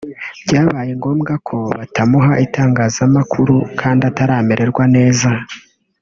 byabaye ngombwa ko batamuha itangazamakuru kandi ataramererwa neza